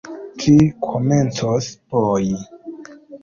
Ĝi komencos boji.